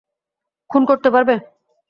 খুন করতে পারবে?